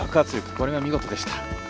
これが見事でした。